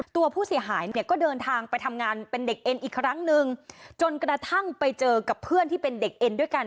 ตัวผู้เสียหายเนี่ยก็เดินทางไปทำงานเป็นเด็กเอ็นอีกครั้งหนึ่งจนกระทั่งไปเจอกับเพื่อนที่เป็นเด็กเอ็นด้วยกัน